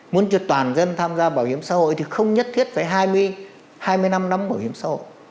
muốn trượt toàn dân tham gia bảo hiểm xã hội thì không nhất thiết phải hai mươi hai mươi năm năm bảo hiểm xã hội